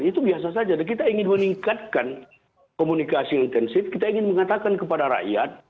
itu biasa saja kita ingin meningkatkan komunikasi intensif kita ingin mengatakan kepada rakyat